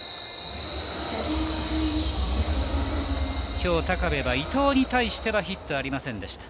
きょう高部は伊藤に対してヒットはありませんでした。